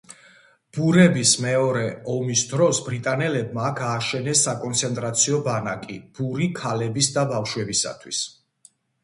ბურების მეორე ომის დროს ბრიტანელებმა აქ ააშენეს საკონცენტრაციო ბანაკი ბური ქალების და ბავშვებისათვის.